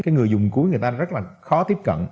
cái người dùng cuối người ta rất là khó tiếp cận